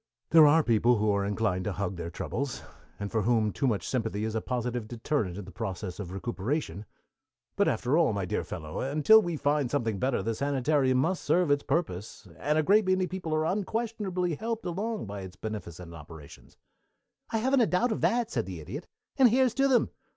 "There are people who are inclined to hug their troubles, and for whom too much sympathy is a positive deterrent in the process of recuperation, but after all, my dear fellow, until we find something better the sanitarium must serve its purpose, and a great many people are unquestionably helped along by its beneficent operations." "I haven't a doubt of that," said the Idiot, "and here's to them!